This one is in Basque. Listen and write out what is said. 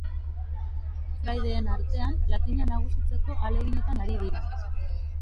Fraideen artean, latina nagusitzeko ahaleginetan ari dira.